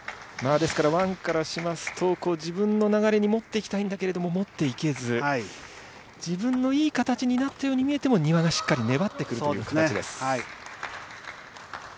ですからワンからしますと、自分の流れに持っていきたいんだけれども、持っていけず、自分のいい形になったように見えても、丹羽がしっかり粘ってくるという形です。